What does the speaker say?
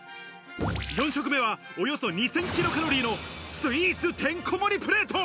４食目はおよそ２０００キロカロリーのスイーツてんこ盛りプレート。